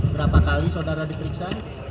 berapa kali saudara diperiksa